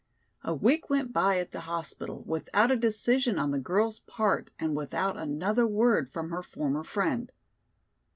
A week went by at the hospital without a decision on the girl's part and without another word from her former friend.